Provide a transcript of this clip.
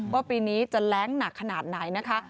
ปีนี้จะแรงหนักขนาดไหนนะคะ